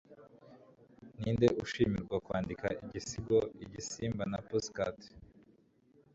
Ninde Ushimirwa Kwandika Igisigo Igisimba na Pussycat